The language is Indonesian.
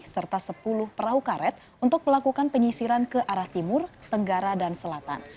serta sepuluh perahu karet untuk melakukan penyisiran ke arah timur tenggara dan selatan